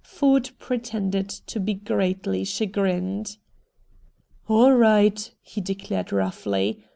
Ford pretended to be greatly chagrined. "All right," he declared roughly.